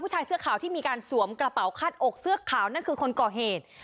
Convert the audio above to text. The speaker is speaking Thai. ชายเสื้อขาวที่มีการสวมกระเป๋าคาดอกเสื้อขาวนั่นคือคนก่อเหตุ